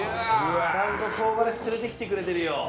ちゃんと唐辛子連れてきてくれてるよ。